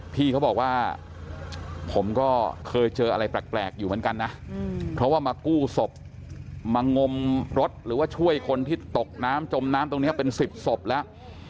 พี่เขาบอกว่าผมก็เคยเจออะไรแปลกอยู่เหมือนกันนะเพราะว่ามากู้ศพมางมรถหรือว่าช่วยคนที่ตกน้ำจมน้ำตรงนี้เป็น๑๐ศพแล้ว